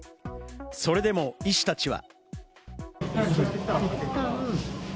それでも医師たちは。